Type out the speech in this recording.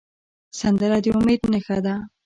سندره د امید نښه ده